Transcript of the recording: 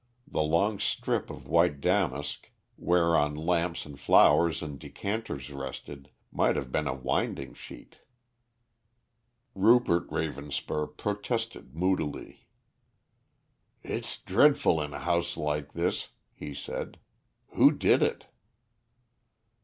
The long strip of white damask, whereon lamps and flowers and decanters rested, might have been a winding sheet. Rupert Ravenspur protested moodily. "It's dreadful in a house like this," he said. "Who did it?"